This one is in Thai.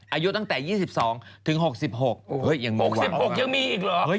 อายุตั้งแต่๒๒ถึง๖๖ยังมีหวังว่ะ